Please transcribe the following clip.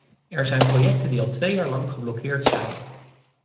Er zijn projecten die al twee jaar lang geblokkeerd zijn.